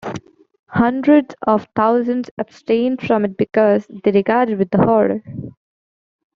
Hundreds of thousands abstain from it because they regard it with horror.